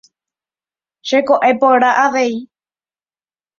Cheko'ẽ porã avei.